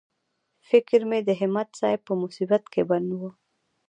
فکر مې د همت صاحب په مصیبت کې بند و.